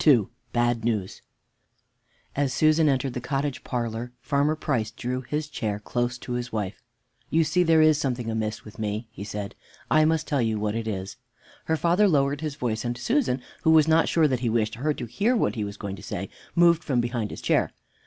II BAD NEWS As Susan entered the cottage parlor, Farmer Price drew his chair close to his wife. "You see there is something amiss with me," he said; "I must tell you what it is." Her father lowered his voice, and Susan, who was not sure that he wished her to hear what he was going to say, moved from behind his chair.